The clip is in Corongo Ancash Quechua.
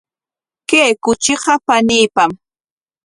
Kay kuchiqa paniipam.